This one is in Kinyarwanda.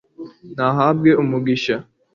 nahabwe umugisha